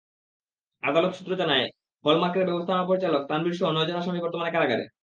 আদালত সূত্র জানায়, হল-মাকের্র ব্যবস্থাপনা পরিচালক তানভীরসহ নয়জন আসামি বর্তমানে কারাগারে।